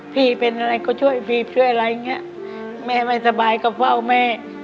พี่เป็นอะไรก็ช่วยบีบช่วยอะไรอย่างเงี้ยแม่ไม่สบายก็เฝ้าแม่